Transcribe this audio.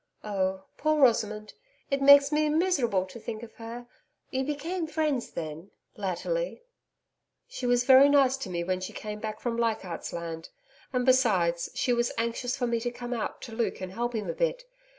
'Oh, poor Rosamond! It makes me miserable to think of her. You became friends, then latterly?' 'She was very nice to me when she came back from Leichardt's Land. And besides, she was anxious for me to come out to Luke and help him a bit....